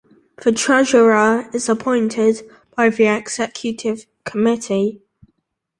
The Treasurer is appointed by the Executive Committee.